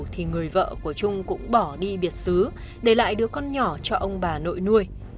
thì người vợ của trung cũng bỏ đi biệt xứ để lại đứa con nhỏ cho ông bà nội nuôi